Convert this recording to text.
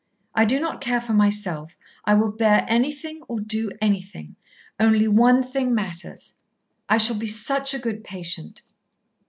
I do not care for myself. I will bear anything or do anything. Only one thing matters. I shall be such a good patient.'